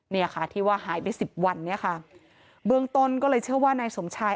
เนี่ยค่ะที่ว่าหายไปสิบวันเนี่ยค่ะเบื้องต้นก็เลยเชื่อว่านายสมชาย